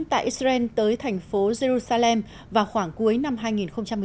tại israel tới thành phố jerusalem vào khoảng cuối năm hai nghìn một mươi chín